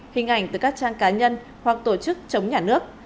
hình ảnh từ các trang cá nhân hoặc tổ chức chống nhà nước